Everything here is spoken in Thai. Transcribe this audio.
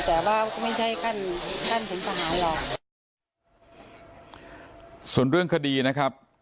แต่ว่าไม่ใช่ขั้นท่านถึงประหารหรอกส่วนเรื่องคดีนะครับ